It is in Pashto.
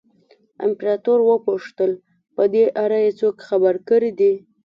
امپراتور وپوښتل په دې اړه یې څوک خبر کړي دي.